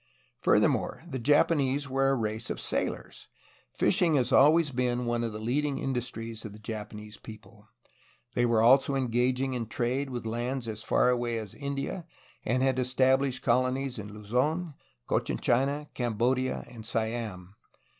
Furthermore, the Japanese were a race of sailors. Fishing has always been one of the leading industries of the Japanese people. They were also engaging in trade with lands as far away as India, and had established colonies in Luz6n, Cochin China, Cam bodia, and Siam.